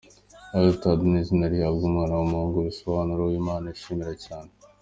Eltad’ ni izina rihabwa umwana w’umuhungu bisobanura uw’Imana yishimira cyane.